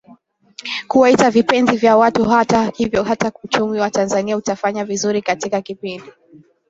kuwaita vipenzi vya watuHata hivyo kama uchumi wa Tanzania utafanya vizuri katika kipindi